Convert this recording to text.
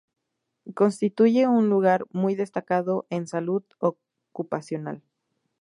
Constituye un lugar muy destacado en Salud Ocupacional.